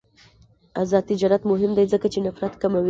آزاد تجارت مهم دی ځکه چې نفرت کموي.